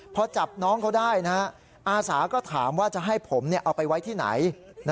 พอจับน้องเขาได้อาสาก็ถามว่าจะให้ผมเอาไปไว้ที่ไหน